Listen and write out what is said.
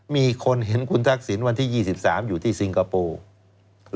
มีคนเห็นคุณทักษิณวันที่๒๓อยู่ที่สิงคโปร์